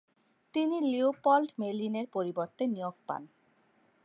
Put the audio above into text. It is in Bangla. তিনি লিওপল্ড মেলিনের পরিবর্তে নিয়োগ পান।